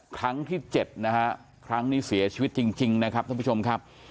ครั้งที่๗นะฮะครั้งนี้เสียชีวิตจริงนะครับท่านผู้ชมครับ